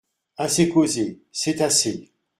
Assez causé ! c’est assez !